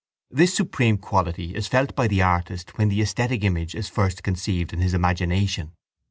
This supreme quality is felt by the artist when the esthetic image is first conceived in his imagination.